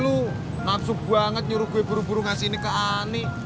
lu nafsu banget nyuruh gue buru buru ngasih ini ke ani